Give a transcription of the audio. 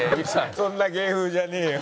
そんな芸風じゃねえよ。